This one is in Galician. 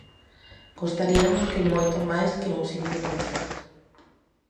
Gostaríanos que moito máis que un simple concerto.